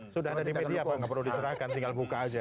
sudah ada di media pak nggak perlu diserahkan tinggal buka aja